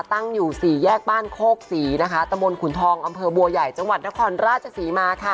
ตั้งอยู่สี่แยกบ้านโคกศรีนะคะตะมนต์ขุนทองอำเภอบัวใหญ่จังหวัดนครราชศรีมาค่ะ